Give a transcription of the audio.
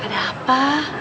eh ada apa